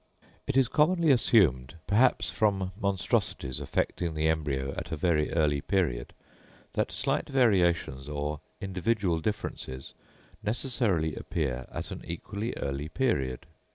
It is commonly assumed, perhaps from monstrosities affecting the embryo at a very early period, that slight variations or individual differences necessarily appear at an equally early period.